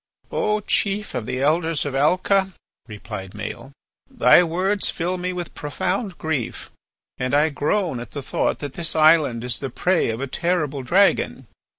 "O chief of the Elders of Alca," replied Maël, "thy words fill me with profound grief, and I groan at the thought that this island is the prey of a terrible dragon.